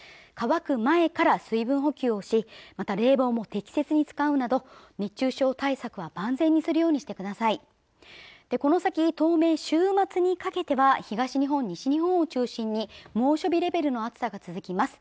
渇く前から水分補給をしまた冷房も適切に使うなど熱中症対策は万全にするようにしてくださいこの先当面週末にかけては東日本、西日本を中心に猛暑日レベルの暑さが続きます